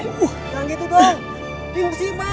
jangan gitu dong ini musimah